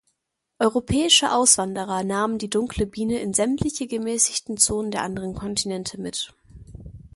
Europäische Auswanderer nahmen die Dunkle Biene in sämtliche gemäßigten Zonen der anderen Kontinente mit.